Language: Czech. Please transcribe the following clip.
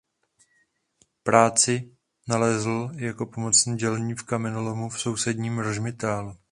Práci nalezl jako pomocný dělník v kamenolomu v sousedním Rožmitálu.